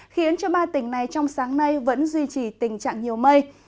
khiến cho ba tỉnh này trong sáng nay vẫn duy trì tình trạng nhiều mây